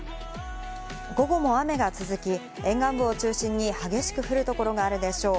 午後も雨が続き、沿岸部を中心に激しく降る所があるでしょう。